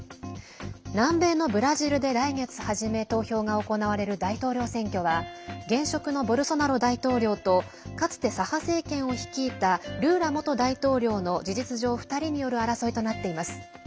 南米のブラジルで来月初め投票が行われる大統領選挙は現職のボルソナロ大統領とかつて左派政権を率いたルーラ元大統領の事実上２人による争いとなっています。